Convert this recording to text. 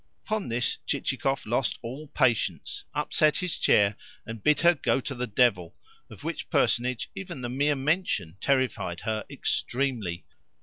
Upon this Chichikov lost all patience, upset his chair, and bid her go to the devil; of which personage even the mere mention terrified her extremely.